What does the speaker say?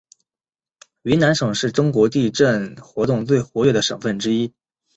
云南省是中国地震活动最活跃的省份之一。